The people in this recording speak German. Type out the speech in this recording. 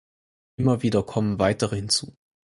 Immer wieder kommen weitere hinzu.